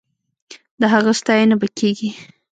د هغه ستاينه به کېږي.